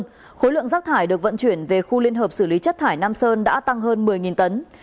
khối lượng rác thải được vận chuyển về khu liên hợp xử lý chất thải nam sơn đã tăng hơn một mươi tấn